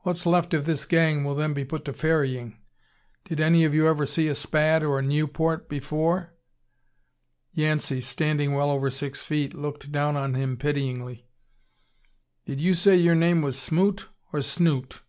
What's left of this gang will then be put to ferrying. Did any of you ever see a Spad or Nieuport before?" Yancey, standing well over six feet, looked down on him pityingly. "Did you say your name was Smoot, or Snoot?